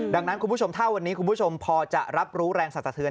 ดังนั้นคุณผู้ชมถ้าวันนี้คุณผู้ชมพอจะรับรู้แรงสรรสะเทือน